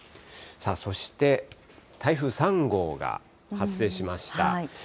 そして、台風３号が発生しました。